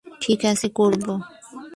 ঠিক আছে, করবো।